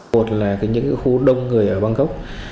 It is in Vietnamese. một là những khu đông người ở bangkok